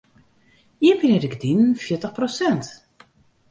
Iepenje de gerdinen fjirtich prosint.